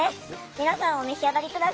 皆さんお召し上がり下さい。